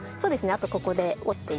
あとここで折って頂いて。